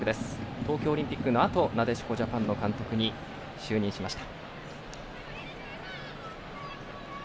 東京オリンピックのあとなでしこジャパンの監督に就任しました。